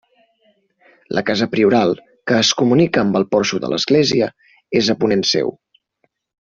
La casa prioral, que es comunica amb el porxo de l'església, és a ponent seu.